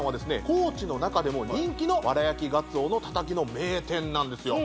高知の中でも人気の藁焼き鰹のたたきの名店なんですよ